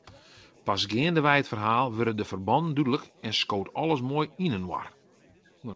Pas geandewei it ferhaal wurde de ferbannen dúdlik en skoot alles moai yninoar.